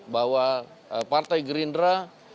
bahwa partai gerindra